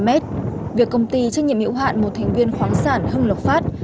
ba trăm linh m việc công ty trách nhiệm hiệu hoạn một thành viên khoáng sản hưng lộc phát